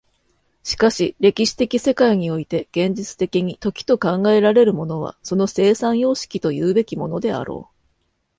しかし歴史的世界において現実的に時と考えられるものはその生産様式というべきものであろう。